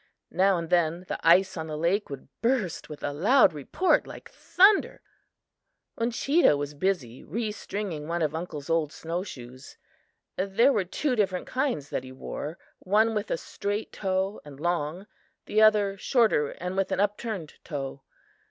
Now and then the ice on the lake would burst with a loud report like thunder. Uncheedah was busy re stringing one of uncle's old snow shoes. There were two different kinds that he wore; one with a straight toe and long; the other shorter and with an upturned toe.